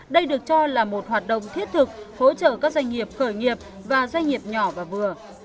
đây được cho là một hoạt động thiết thực hỗ trợ các doanh nghiệp khởi nghiệp và doanh nghiệp nhỏ và vừa